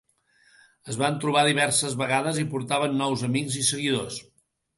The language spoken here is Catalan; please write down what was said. Es van trobar diverses vegades i portaven nous amics i seguidors.